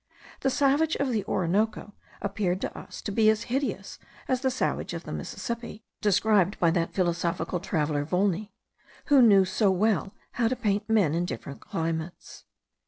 The savage of the Orinoco appeared to us to be as hideous as the savage of the Mississippi, described by that philosophical traveller Volney, who so well knew how to paint man in different climates.